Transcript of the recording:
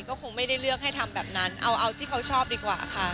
ก็คงไม่ได้เลือกให้ทำแบบนั้นเอาที่เขาชอบดีกว่าค่ะ